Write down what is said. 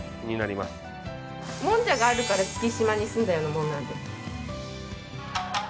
もんじゃがあるから月島に住んだようなもんなんで。